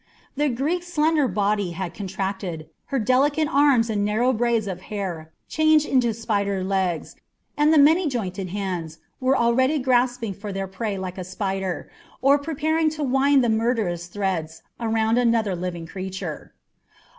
The Greek's slender body had contracted, her delicate arms and narrow braids of hair changed into spider legs, and the many jointed hands were already grasping for their prey like a spider, or preparing to wind the murderous threads around another living creature.